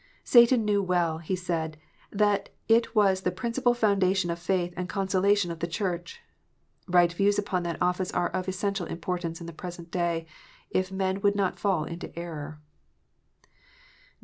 Satan knew well, he said, that it was the " principal foundation of faith and consolation of the Church." Right views upon that office are of essential importance in the present day, if men would not fall into error.